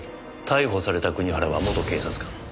逮捕された国原は元警察官。